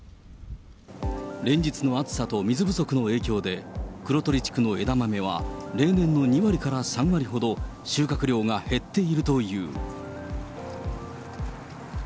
連日の暑さと水不足の影響で、黒鳥地区の枝豆は例年の２割から３割ほど収穫量が減っているという。